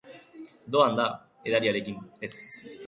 Doan da, edariarekin!